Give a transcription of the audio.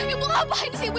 ibu ngapain sih ibu